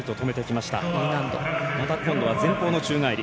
また今度は前方の宙返り。